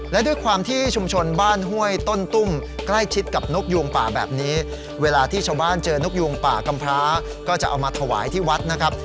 และด้วยความที่ชุมชนบ้านห้วยต้นตุ้มใกล้ชิดกับนกยูงป่าแบบนี้เวลาที่ชาวบ้านเจอนกยูงป่ากำพร้าก็จะเอามาถวายที่วัดนะครับ